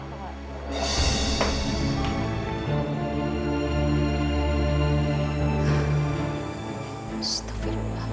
mustafirullahaladzim ya allah